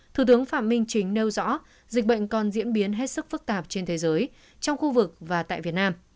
thủ tướng phạm minh chính nêu rõ dịch bệnh còn diễn biến hết sức phức tạp trên thế giới trong khu vực và tại việt nam